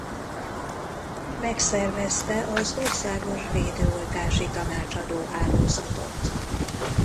Megszervezte az Országos Védőoltási Tanácsadó hálózatot.